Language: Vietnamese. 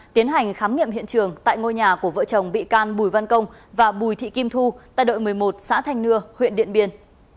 tiến hành khám nghiệm hiện trường tại ngôi nhà của vợ chồng bị can bùi văn công và bùi thị kim thu tại đội một mươi một xã thanh nưa huyện điện biên